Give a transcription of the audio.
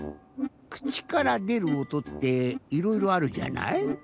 くちからでるおとっていろいろあるじゃない？